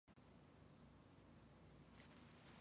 呼吸管是可让浮潜者的脸留在水中仍可呼吸的装备。